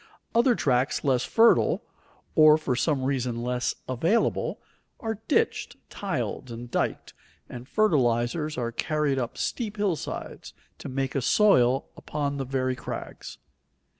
Other tracts less fertile, or for some reason less available, are ditched, tiled, and diked, and fertilizers are carried up steep hillsides to make a soil upon the very crags.